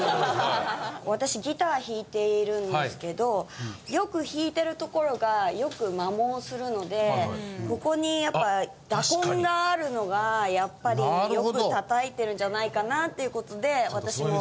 私ギター弾いているんですけどよく弾いてるところがよく摩耗するのでここにやっぱ打痕があるのがやっぱりよく叩いてるんじゃないかなっていう事で私も。